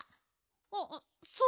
あっそれ。